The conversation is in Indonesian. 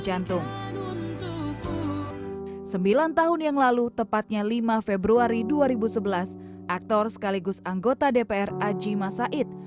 jantung sembilan tahun yang lalu tepatnya lima februari dua ribu sebelas aktor sekaligus anggota dpr aji masaid